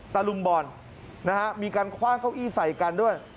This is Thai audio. ตะลุมบอลนะฮะมีการคว่างเก้าอี้ใส่กันด้วย